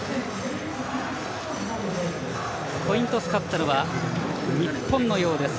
コイントス勝ったのは日本のようです。